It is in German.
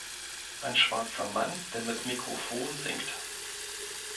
Ein schwarzer Mann, der mit Mikrofon singt